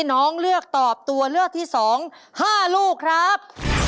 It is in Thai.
น้องเลือกตอบตัวเลือกที่๒๕ลูกครับ